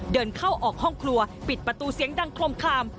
เดินเข้าออกห้องครัวปิดประตูเสียงดังคลมคลาม